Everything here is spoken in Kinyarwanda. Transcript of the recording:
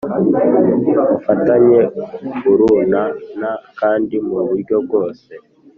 mufatanye urunana kandi mu buryo bwose